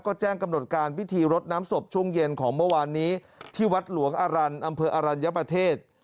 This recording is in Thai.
ก็แจ้งกำหนดการพิธีรดน้ำศพช่วงเย็นของเมื่อวานนี้ที่วัดหลวงอรันต์อำเภออรัญญประเทศ